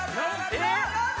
えっ？